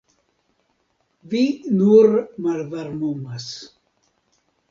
Vi nur malvarmumas.